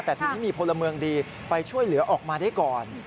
แต่ทีนี้มีพลเมืองดีไปช่วยเหลือออกมาได้ก่อน